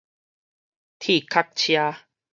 鐵殼車